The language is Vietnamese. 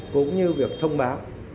cũng như việc thông báo